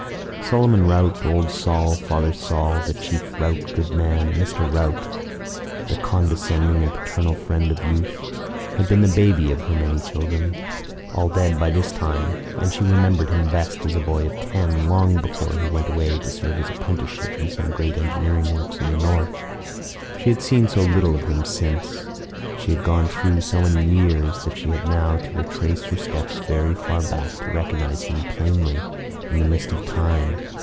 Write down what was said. Solomon Rout, Old Sol, Father Sol, the Chief, "Rout, good man" Mr. Rout, the condescending and paternal friend of youth, had been the baby of her many children all dead by this time. And she remembered him best as a boy of ten long before he went away to serve his apprenticeship in some great engineering works in the North. She had seen so little of him since, she had gone through so many years, that she had now to retrace her steps very far back to recognize him plainly in the mist of time.